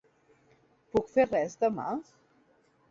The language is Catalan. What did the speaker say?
Puc fer res demà?